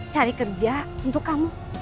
cari kerja untuk kamu